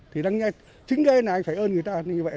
thì lắng nghe chính cái này anh phải ơn người ta như vậy